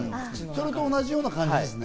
それと同じような感じ。